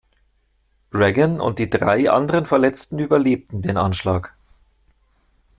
Reagan und die drei anderen Verletzten überlebten den Anschlag.